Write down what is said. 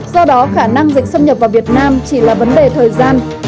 do đó khả năng dịch xâm nhập vào việt nam chỉ là vấn đề thời gian